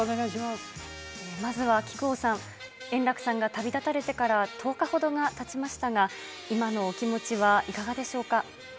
まずは木久扇さん、円楽さんが旅立たれてから、１０日ほどがたちましたが、今のお気持ちはいかがでしょうか。